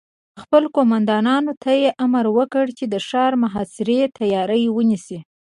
خپلو قوماندانانو ته يې امر وکړ چې د ښار د محاصرې تياری ونيسي.